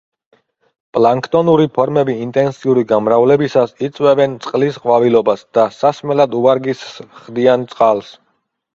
პლანქტონური ფორმები ინტენსიური გამრავლებისას იწვევენ „წყლის ყვავილობას“ და სასმელად უვარგისს ხდიან წყალს.